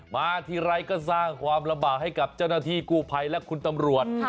มาทีไรก็สร้างความลำบากให้กับเจ้าหน้าที่กู้ภัยและคุณตำรวจ